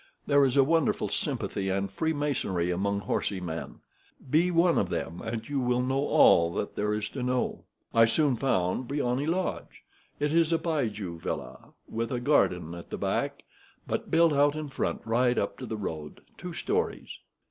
There is a wonderful sympathy and freemasonry among horsey men. Be one of them, and you will know all that there is to know. I soon found Briony Lodge. It is a bijou villa, with a garden at the back, but built out in the front right up to the road, two stories.